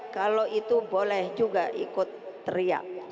kalau itu boleh juga ikut teriak